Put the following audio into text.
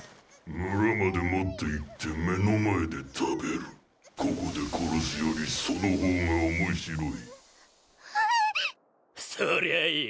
村まで持っていって目の前で食べるここで殺すよりその方が面白いひっそりゃあいい！